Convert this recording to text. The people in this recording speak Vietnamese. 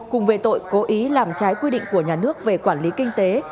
cùng về tội cố ý làm trái quy định của nhà nước về quản lý kinh tế